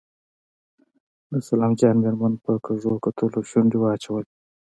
د سلام جان مېرمن په کږو کتلو شونډې واچولې.